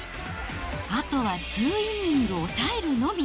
あとは２イニング抑えるのみ。